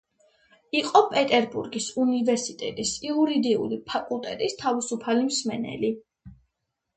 იყო პეტერბურგის უნივერსიტეტის იურიდიული ფაკულტეტის თავისუფალი მსმენელი.